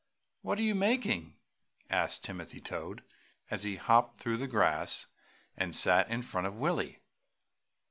"What are you making?" asked Timothy Toad, as he hopped through the grass and sat in front of Willie.